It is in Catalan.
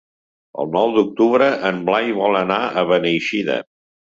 El nou d'octubre en Blai vol anar a Beneixida.